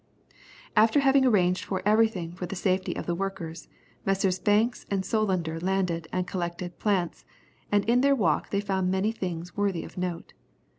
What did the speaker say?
After having arranged everything for the safety of the workers, Messrs. Banks and Solander landed and collected plants, and in their walk they found many things worthy of note.